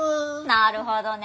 なるほどね